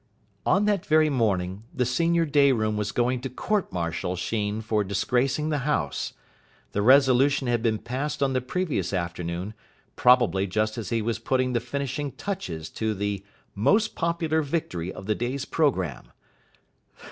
On that very morning the senior day room was going to court martial Sheen for disgracing the house. The resolution had been passed on the previous afternoon, probably just as he was putting the finishing touches to the "most popular victory of the day's programme".